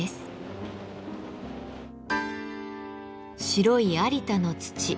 白い有田の土。